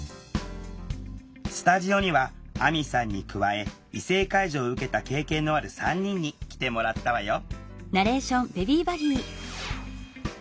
スタジオにはあみさんに加え異性介助を受けた経験のある３人に来てもらったわよ